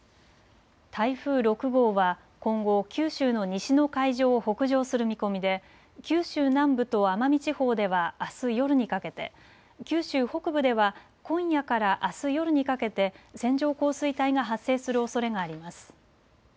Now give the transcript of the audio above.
台風６号は今後、九州の西の海上を北上する見込みで九州南部と奄美地方ではあす夜にかけて、九州北部では今夜からあす夜にかけて線状降水帯が発生するおそれがあります。